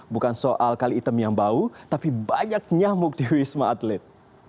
bukan soal kali item yang bau tapi banyak nyamuk di wisma atlet